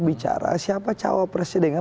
bicara siapa cowok presidennya